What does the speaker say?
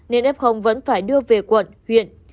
nên f vẫn phải đưa về quận huyện